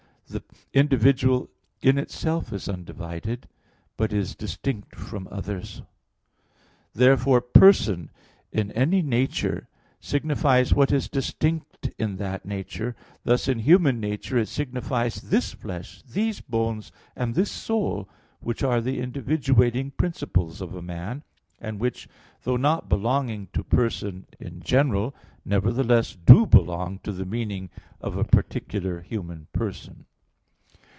The individual in itself is undivided, but is distinct from others. Therefore "person" in any nature signifies what is distinct in that nature: thus in human nature it signifies this flesh, these bones, and this soul, which are the individuating principles of a man, and which, though not belonging to "person" in general, nevertheless do belong to the meaning of a particular human person.